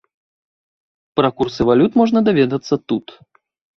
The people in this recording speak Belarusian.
Пра курсы валют можна даведацца тут.